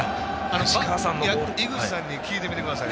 井口さんに聞いてみてください。